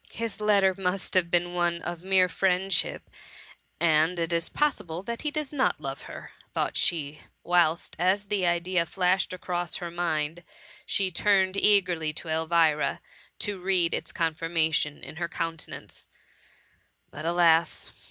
*^ His letter must have been one of mere friendship and it is possible that he does not love her/' thought she ; whilst, as the idea flashed across her mind she turned eagerly to Elvira, to read its con firmation in her countenance :— but, alas